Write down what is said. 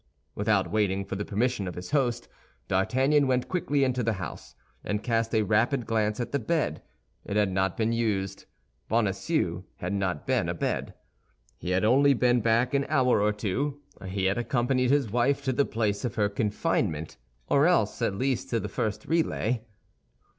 Without waiting for the permission of his host, D'Artagnan went quickly into the house, and cast a rapid glance at the bed. It had not been used. Bonacieux had not been abed. He had only been back an hour or two; he had accompanied his wife to the place of her confinement, or else at least to the first relay.